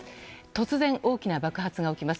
突然大きな爆発が起きます。